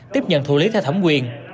tiếp nhận thủ lý theo thẩm quyền